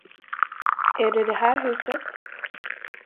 Är det det här huset?